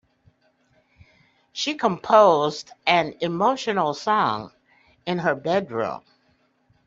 She composed an emotional song in her bedroom.